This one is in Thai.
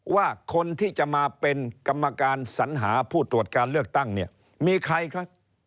ว่าคนที่จะมาเป็นกรรมการสัญหาผู้ตรวจการเลือกตั้งเนี่ยมีใครครับ